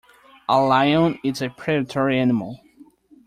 A lion is a predatory animal.